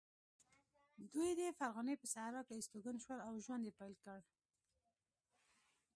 دوی د فرغانې په صحرا کې استوګن شول او ژوند یې پیل کړ.